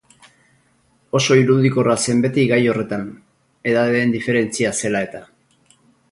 Oso irudikorra zen beti gai horretan, edadeen diferentzia zela-eta.